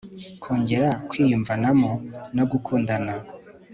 kongera kwiyumvanamo no gukundana